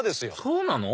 そうなの？